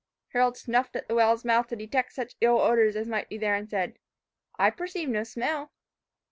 Harold snuffed at the well's mouth to detect such ill odours as might be there, and said, "I perceive no smell."